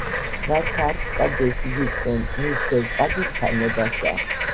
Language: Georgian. რაცა არ გწადდეს, იგი ქმენ, ნუ სდევ წადილთა ნებასა.